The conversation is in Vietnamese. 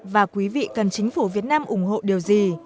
và quý vị cần chính phủ việt nam ủng hộ điều gì